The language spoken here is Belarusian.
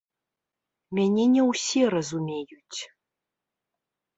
Мяне не ўсе разумеюць.